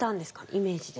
イメージで。